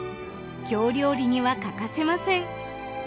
京料理には欠かせません。